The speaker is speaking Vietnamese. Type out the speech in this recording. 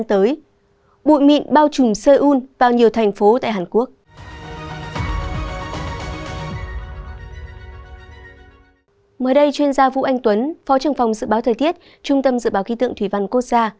theo vũ anh tuấn phó trưởng phòng dự báo thời tiết trung tâm dự báo khi tượng thủy văn cô sa